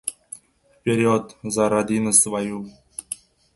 Vperyod! Za rodinu svoyu!